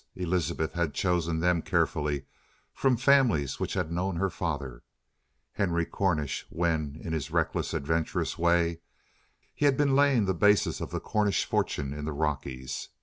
Elizabeth had chosen them carefully from families which had known her father, Henry Cornish, when, in his reckless, adventurous way, he had been laying the basis of the Cornish fortune in the Rockies.